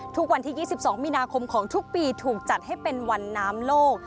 ทุกวันที่๒๒มีนาคมของทุกปีถูกจัดให้เป็นวันน้ำโลก